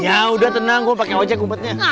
ya udah tenang gue pake wajah ngumpetnya